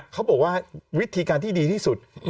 เขาบอกว่าวิธีการที่ดีที่สุด